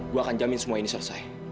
gue akan jamin semua ini selesai